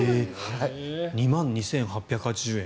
２万２８８０円。